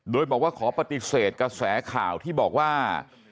โดยบอกว่าขอปฏิเสธกระแสข่าวที่บอกว่า